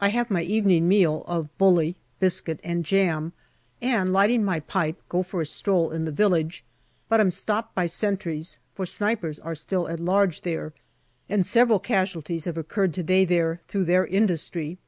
I have my evening meal of bully, biscuit, and jam, and lighting my pipe, go for a stroll in the village, but am stopped by sentries, for snipers are still at large there, and several casualties have occurred to day there through their industry.